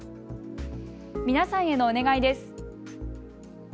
皆さんへのお願いです。